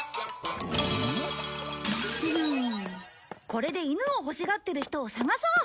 これで犬を欲しがってる人を探そう！